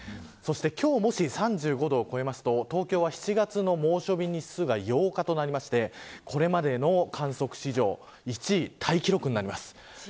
今日、もし３５度を超えると東京は７月の猛暑日日数が８日となってこれまでの観測史上１位タイ記録になります。